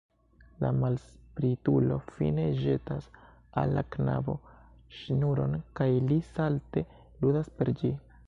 La malspritulo fine ĵetas al la knabo ŝnuron kaj li salte ludas per ĝi.